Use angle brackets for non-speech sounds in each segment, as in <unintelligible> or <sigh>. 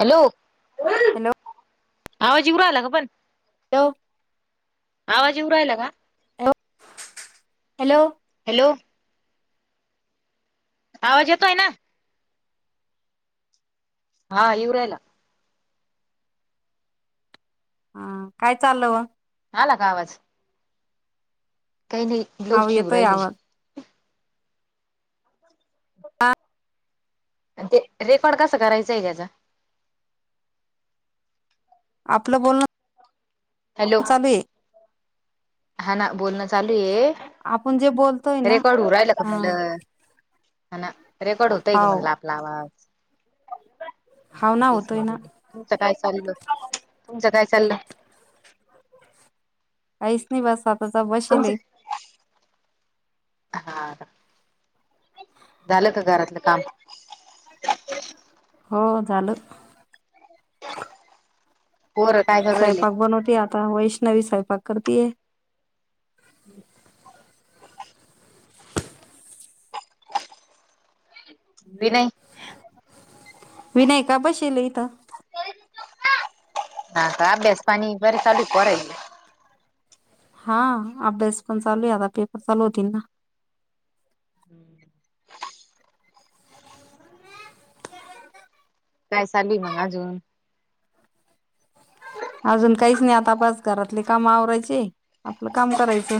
Hello. Hello आवाज येऊ राहिला का पण? <unintelligible> आवाज येऊ राहिला का? Hello hello. हॅलो. आवाज येतोय ना? हा येऊ राहिला. हा काय चाललं व? आला का आवाज? काही नाही. ब्लाऊज हाव शिवू येतोय राहिली आवाज. <inaudible> आणि ते रेकॉर्ड कसा करायचां आहे याचा? आपलं बोलणं हॅलो. चालू आहे हा ना बोलणं चालूये आपण जे बोलतोय ना रेकॉर्ड होऊ रायलं का हा म्हणलं? हा ना रेकॉर्ड होतय गं हाव म्हणला आपला आवाज. हाव हा ना तेच होतोय ना म्हटलं तुमचं काय चाललं तुमचं काय चाललं? काहीच नाही बस आताचा तुमचं बशीलोय. हा झालं का घरातलं काम? हो झालं पोरं काय करू राहिले स्वयंपाक बनवते आता वैष्णवी स्वयंपाक करतीेये. <inaudible> विनय विनय का बशीला इथं? हा का अभ्यास पाणी बरे चालय का पोरं इला हा अभ्यास पण चालूय आता पेपर चालू होतील ना <inaudible> काय चालूय मग अजून? अजून काहीच नाही आता बस घरातले काम आवरायचे आपलं काम करायचं.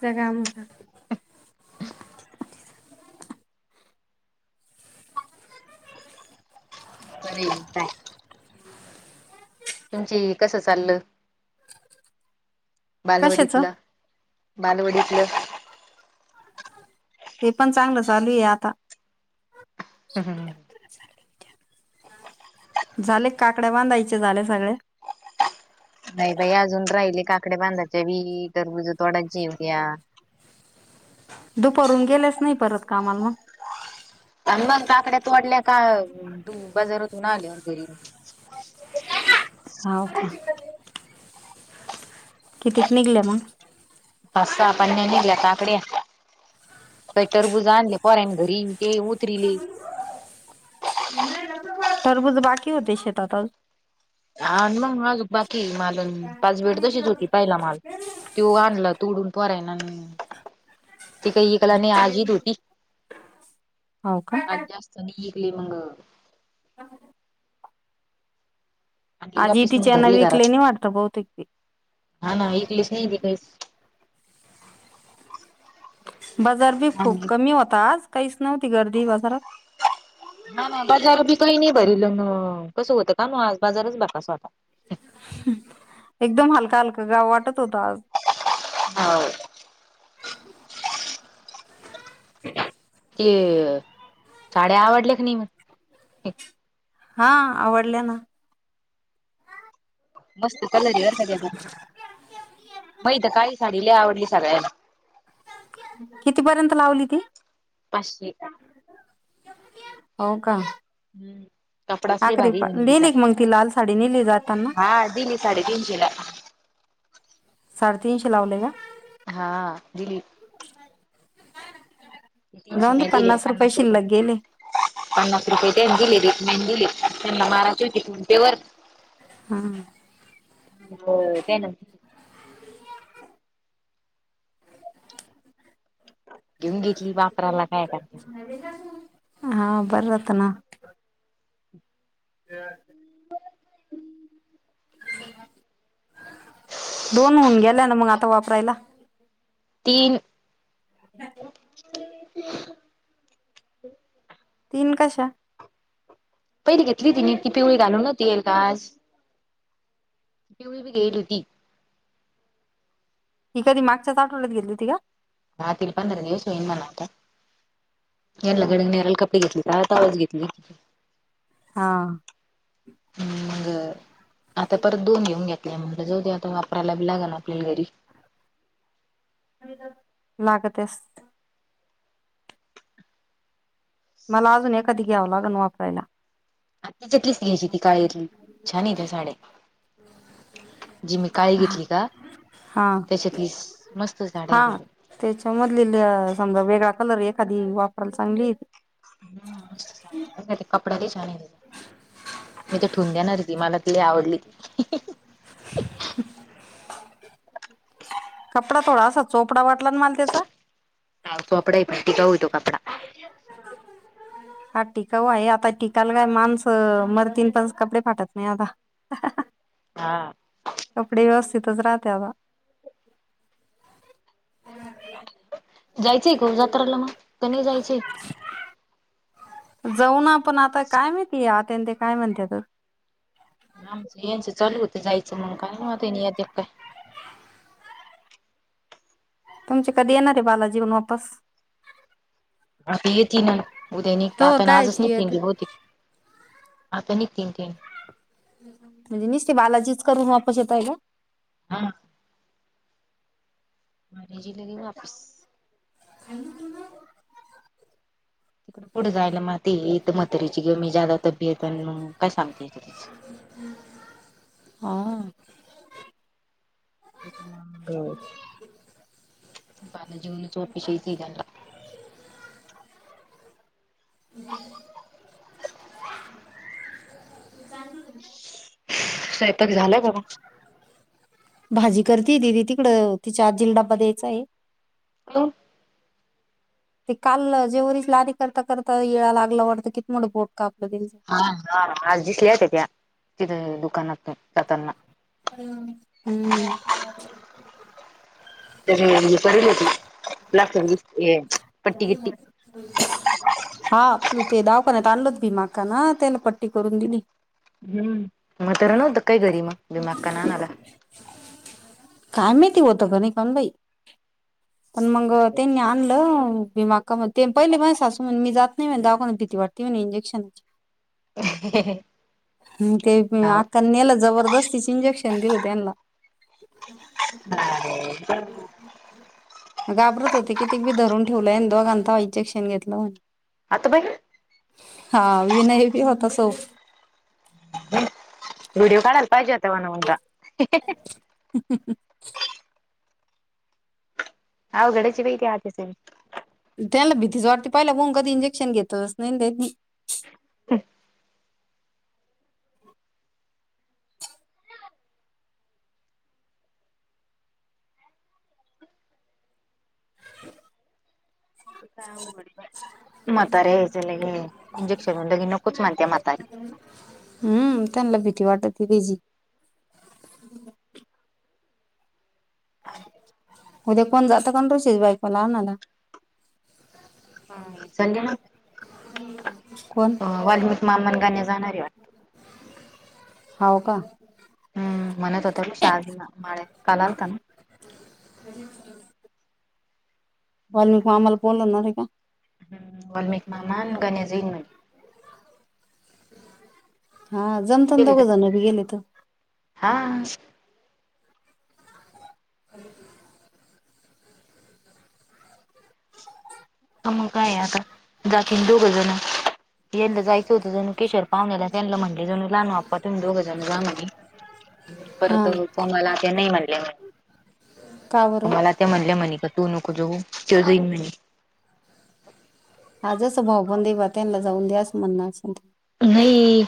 त्या काय म्हणता बर येताय तुमची कसं चाललं कशाच बालवाडीतलं? बालवाडीतलं ते पण चांगलं चालूये आता हम हमम झाले काकड्या बांधायचे झाले सगळ्या नाही बाई अजून राहिले काकडे बांधायच्या बी टरबूज तोडायची उद्या दुपारून गेलेच नाही परत कामाला मग आणि मग काकड्या तोडल्या का बाजारात तून आल्यावर घरी हाव का कितीक निघल्या मग? पाच सा पण नाही निघल्या काकड्या काही टरबुजे आणले पोरांनी घरी ते उतरीले टरबूज बाकी होते शेतात अजू अ मग अजून बाकी माल पाच पेड तशीच होती पहिला माल त्यो आणला तोडून पोरांनी आणि ते काय इकला नाही ऍज ईद होती हो का ऍज जास्त चनी ऐकली मंग आणली आजही वापिस मग भरली तिच्यानं घरात इकली नाही वाटते बहुतेक ते हा ना ईकलेच नाही ते काहीचं बाजार बी आणि खूप कमी होता आज काहीच नव्हती गर्दी बाजारात हा ना बाजार बी काही नाही भऱीलं मं कसं होतं का ना आज बाजारचं भकास होता एकदम हलका हलका गाव वाटत होता आज हो ते साड्या आवडल्या क नाही म? हा आवडल्या ना मस्त कलर हे आ सगळ्याचा मही तर काळी साडी लई आवडली सगळ्यांत कितीपर्यंत लावली ती? पाचशे हो का हम्म कपडाच लय आखरी भारीय पा म्हणे तिचा, नेली का मग ती लाल साडी नेली जाताना हा दिली साडेतीनशे ला. साडेतीनशे लावले का. हा दिली. तीनशे जाऊ मी दे दिले पन्नास रुपये शिल्लक गेले. पन्नास रुपये ते दिले, रेटमध्ये दिले त्यांना माराचे होते फोन पे वर हां. हो, त्यांनी घेऊन घेतली बापराला काय काय. <unintelligible> हां बर होत ना. <unintelligible> दोन होऊन गेल्या ना मग आता वापरायला. तीन. तीन कशा. पहिली घेतली तिने ती पिवळी घालून ना ती एकदाच. पिवळी बी गेली होती. ही कधी मागच्याच आठवड्यात गेली होती का. दहा ते पंधरा दिवस होईन मला आता, यरला गड निराल कपडे घेतले. आवाज घेतली. हा. हम्, मग आता परत दोन घेऊन घ्या. म्हटलं, जाऊ ते आता वापरायला बी लागल आपल्याला घरी. लागत बस. मला अजून एखादी घ्यावं लागन वापरायला. आत्तीच्यातलीच घ्यायची ती काळ्यातली, छान येत्या साड्या. जी मी काळी घेतली का हा त्याच्यातलीच मस्त साडीय. हा त्याच्यामधली समजा, वेगळा कलर एखादी वापरायला चांगली त्याचा ते कपडा लई छानय. मी तर ठिवून घेणारय ति, मला ति लई आवडली. कपडा थोडा असा चोपडा वाटला मला त्याचा. <unintelligible> <unintelligible> हा टिकाऊ आहे, आता टिकाला काय माणसं मरतीन पण कपडे फाटत नाही आता. <unintelligible> हा- हा. कपडे व्यवस्थितच राहते आता. जायचंय का ओ जत्राला मग, का नाही जायचंय. जाऊ ना आपण, आता काय माहिती आत्या न ते काय म्हणत्यात तर. आमच यांचं चालू होत जायचं, म्हण काय हेत त्यानी काय <unintelligible> तुमच्या कधी येणारे बालाजीवन वापस. आता येेतीन म्हण, उद्या निघते तोवर आपण आजच कायची निघते येत ती होती. आता निघतीन. म्हणजे निस्ती बालाजचीच करून वापस येताय काय. हा. मारे जी लगे वापस. खा्य ठून. तिकडडे पुढं जायला मातीत म्हातारीची कमी जादा तबीयेत मग काय सांगते तिचं. हा. त्याच्या बालाजीवन चोपिशही झाला. स्यताक झाला बघा. भाजी करतेय दीदी तिकडं तिच्या आजिल डाबा द्यायचां आहे. हॅलो! ते काल जेववरच लाणी करता करता येळा लागला वाटतं कि मोठं बोट कापलं त्यांचं. हा हा आज दिसल्या त्या तिथे दुकानात जाताना. हम्म हम्म. त्या म करली होती लाक्षे <unintelligible> <unintelligible> हा आपलं ते दावखान्यात आणलोत भीमाआकाना तेला पट्टी करून दिली. हम् म्हातारा नव्हता का काय घरी भीमा अक्कांना आणायला. कायमेती होत गणेकन बाई पण मग त्यांनी आणलं. भीमा आका म्हणते पहिले माझी सासू म्हणते मी जात नाही दवाखान्यात भीती वाटते मला इंजेक्शनची. ह ते हो अकेलं जबरदस्तीचे इंजेक्शन दिलं त्यांना. आ रे हैजा! घाबरत होते की ते बी धरून ठेवलंय दोघांना तवा इंजेक्शन घेतलं म्हणे. आत्ता बाई. हा विनय बी होता सोप व्हिडिओ काढायला पाहिजे होता म्हन उजा. <inaudible> अवघडच आहे बाई त्या आत्याचं. त्यांना भीतीच वाटती, पहिला मून कधी इंजेक्शन घेतलचं नाही त्यांनी. हम. <inaudible> मातारी आईज लगी इंजेक्शन लगे नकुच म्हणतीय म्हातारी. हम. हम्म, त्यांनला भीती वाटती तिची. उद्या कोण जातं कोण रूशाच्या बायकोला आणायला? संग ना? कोण वाल्मिक मामा अन गण्या जाणारे वाटतं. हाव का? हम्म, म्हणत होता तो शाहजीना, मळ्यात काल आलता ना. कधी उचलणार? वाल्मीक मामाला फोन लावणार आहे का? हम्म, वाल्मिक मामा अन गण्या जाईल म्हणे. हा, जमतंना गेली काय दोघंजण बी गेले तर. हा. <inaudible> हा, मंग काय आता जातील दोघंजण यंदा जाय चौथं जणू केशर पाहूण्याला त्यानला म्हटले जणू लहानू आप्पा, तुमही दोघंजण जा म्हणले हा परत कोमलला ते नाही म्हणले म्हणे. का बरं? कोमला त्या म्हणल्या, मनिका तू नको जाऊ त्यो जाईन म्हणे. आजच भाऊबंद व त्यांना जाऊन द्याच म्हणणं असंल. नाही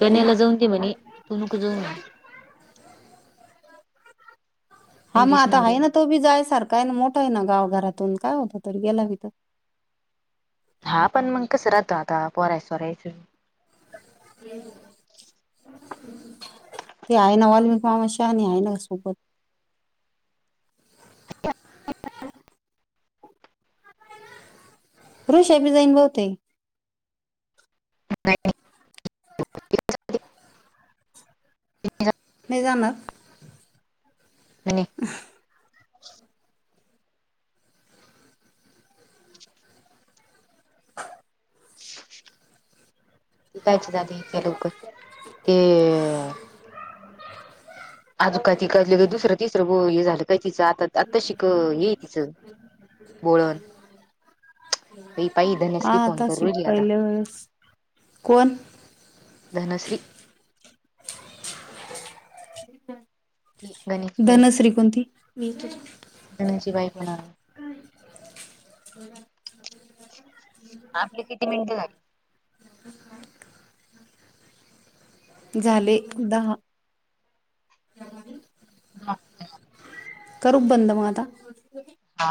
गण्याला जाऊन दे म्हणे, तू नको जाऊ म्हणले. हा. तू मग जाशील आता आहे नवऱ्याला. ना, तो बी जाय सारखा आहे ना. मोठा आहे ना, गावघरातून काय होतं तो गेला भी तर. हा, पण मग कसं राहतो आता पोरायसोरायचं? ते आहे ना वाल्मीक मामा, शहाणी आहे ना सोबत. ऋषा बी जाईन बहूतेक. <inaudible> <unintelligible> न्हे जा मग. आणि हं. ते कायची जाती इतक्या लवकर. ते आज काय तिकलं का दुसरं तिसरं ग हे झालं काय तिचं? आत्ता आत्ताशिक हे ए तिचं, बोळवण. हा धनश्री फोन करू आताशिक राहिली आता पहिल्या वेळेस, कोण? धनश्री. की गणेश धनश्री कोणती? धन्याची बायको ना. <inaudible> आपके किती मिनटं झाली? <inaudible> झाले, दहा. काय म्हणली? <inaudible> <unintelligible> करु का बंद म आता? हा.